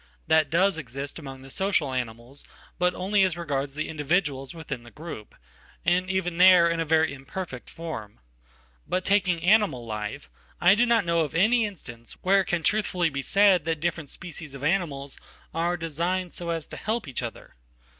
That does exist among the social animals, but only asregards the individuals within the group, and even there in a veryimperfect form. But taking animal life, I do not know of anyinstance where it can truthfully be said that different species ofanimals are designed so as to help each other.